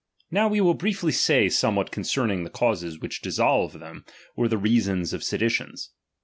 Now we will briefly say somewhat concerning the causes ) which dissolve them, or the reasons of seditions.